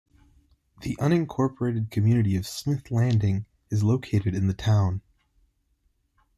The unincorporated community of Smith Landing is located in the town.